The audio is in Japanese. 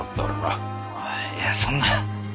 ああいやそんな。